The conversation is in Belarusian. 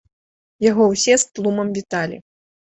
Яго ўсе з тлумам віталі.